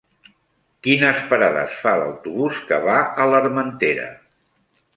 Quines parades fa l'autobús que va a l'Armentera?